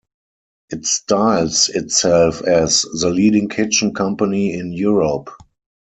It styles itself as "The Leading Kitchen Company in Europe".